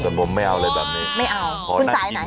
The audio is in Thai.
แต่ผมไม่เอาอะไรแบบนี้